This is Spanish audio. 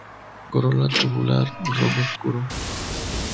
Corola tubular, rojo oscuro.